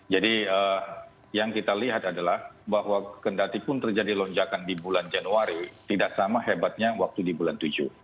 jadi yang kita lihat adalah bahwa kendati pun terjadi lonjakan di bulan januari tidak sama hebatnya waktu di bulan tujuh